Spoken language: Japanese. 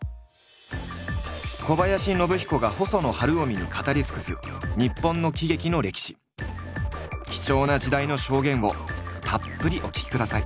小林信彦が細野晴臣に語り尽くす貴重な時代の証言をたっぷりお聞きください。